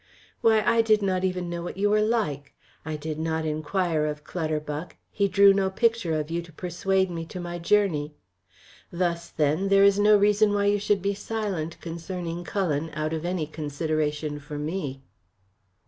Why, I did not even know what you were like. I did not inquire of Clutterbuck, he drew no picture of you to persuade me to my journey. Thus then there is no reason why you should be silent concerning Cullen out of any consideration for me."